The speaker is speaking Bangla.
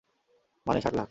মানে, ষাট লাখ।